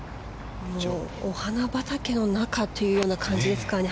お花畑の中という感じですかね。